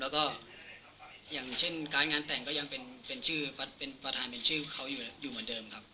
แล้วก็อย่างเช่นการงานแต่งก็ยังเป็นชื่อเป็นประธานเป็นชื่อเขาอยู่เหมือนเดิมครับ